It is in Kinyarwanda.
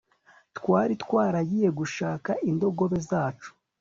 twari twaragiye gushaka indogobe zacu